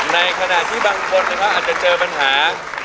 ในขณะที่บางคนนะครับอาจจะเจอปัญหา